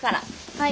はい。